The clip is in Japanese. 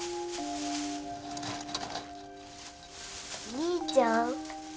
兄ちゃん？